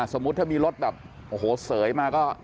สมมุติถ้ามีรถแบบเสยมาก็